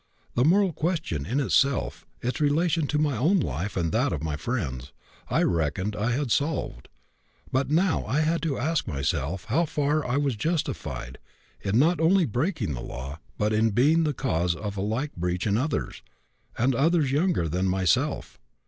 The moral question in itself its relation to my own life and that of my friends I reckoned I had solved; but I now had to ask myself how far I was justified in not only breaking the law, but in being the cause of a like breach in others, and others younger than myself.